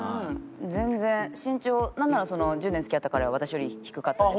全然身長なんなら１０年付き合った彼は私より低かったですし。